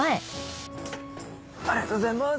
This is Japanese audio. ありがとうございます。